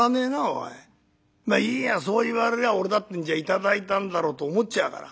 まあいいやそう言われりゃ俺だって頂いたんだろうと思っちゃうから。